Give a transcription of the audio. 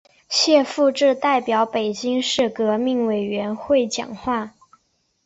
谢富治代表北京市革命委员会讲话。